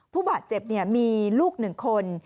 ผู้บาดเจ็บมีลูกหนึ่งคน